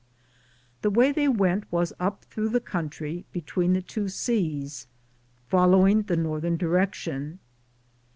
The way they went was up through the country be tween the two seas, following the northern direction.